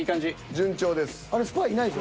順調です。